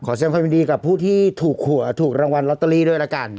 แสดงความยินดีกับผู้ที่ถูกหัวถูกรางวัลลอตเตอรี่ด้วยละกัน